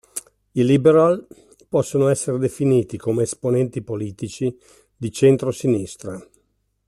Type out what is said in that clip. I liberal possono essere definiti come esponenti politici di centro-sinistra.